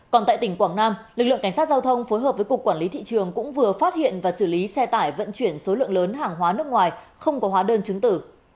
còn tại tỉnh quảng nam lực lượng cảnh sát giao thông phối hợp với cục quản lý thị trường cũng vừa phát hiện và xử lý xe tải vận chuyển số lượng lớn hàng hóa nước ngoài không có hóa đơn chứng tử